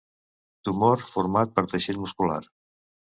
Tumor format per teixit muscular.